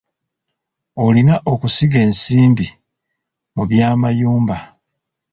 Olina okusiga ensimbi mu by'amayumba.